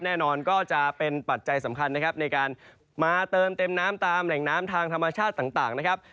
แน่นอนก็จะเป็นปัจจัยสำคัญนะครับในการมาเติมเต็มน้ำตามแหล่งน้ำทางธรรมชาติต่างนะครับ